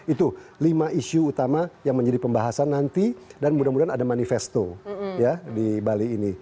itu lima isu utama yang menjadi pembahasan nanti dan mudah mudahan ada manifesto di bali ini